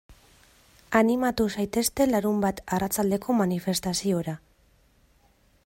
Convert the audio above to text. Animatu zaitezte larunbat arratsaldeko manifestaziora.